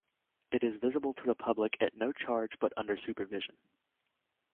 It is visible to the public at no charge but under supervision.